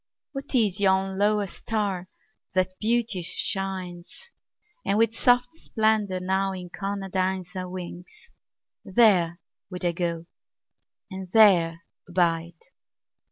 What is yon lower star that beauteous shines And with soft splendor now incarnadines Our wings? There would I go and there abide."